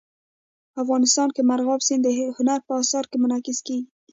افغانستان کې مورغاب سیند د هنر په اثار کې منعکس کېږي.